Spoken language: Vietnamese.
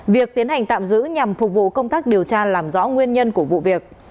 việc tiến hành tạm giữ nhằm phục vụ công tác điều tra làm rõ nguyên nhân của vụ việc